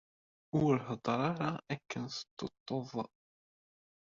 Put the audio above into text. Ur hedder ara akken tettetteḍ.